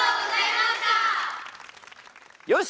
よし！